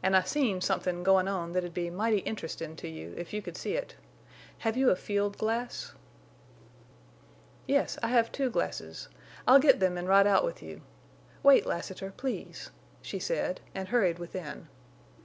An' I seen somethin' goin' on that'd be mighty interestin' to you, if you could see it. Have you a field glass?" "Yes, I have two glasses. I'll get them and ride out with you. Wait, Lassiter, please," she said, and hurried within.